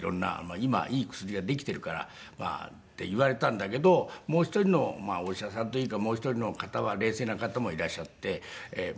今はいい薬ができているからまあって言われたんだけどもう一人のお医者さんというかもう一人の方は冷静な方もいらっしゃって。